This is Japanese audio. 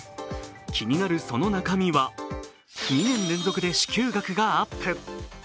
気になるその中身は２年連続で支給額がアップ。